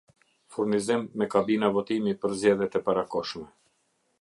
Furnizim me kabina votimi për zgjedhjet e parakohshme